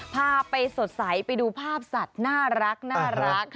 พาไปสดใสไปดูภาพสัตว์น่ารัก